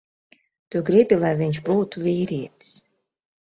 Tu gribi, lai viņš būtu vīrietis.